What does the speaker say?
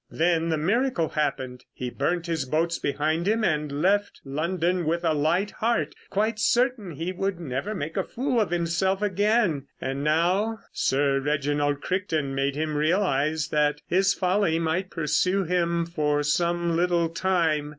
Then the miracle happened. He burnt his boats behind him and left London with a light heart, quite certain he would never make a fool of himself again. And now Sir Reginald Crichton made him realise that his folly might pursue him for some little time.